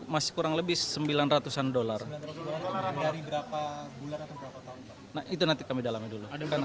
masih kurang lebih sembilan ratusan dollar dari berapa bulan itu nanti kami dalamnya dulu karena